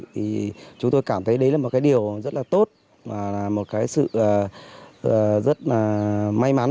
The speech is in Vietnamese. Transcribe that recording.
thì chúng tôi cảm thấy đấy là một cái điều rất là tốt và là một cái sự rất là may mắn